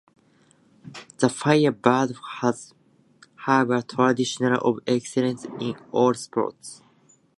The Firebirds have a tradition of excellence in all sports.